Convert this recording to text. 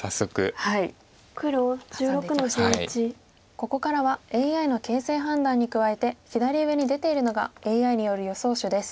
ここからはＡＩの形勢判断に加えて左上に出ているのがＡＩによる予想手です。